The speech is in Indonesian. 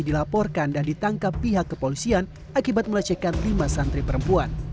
dilaporkan dan ditangkap pihak kepolisian akibat melecehkan lima santri perempuan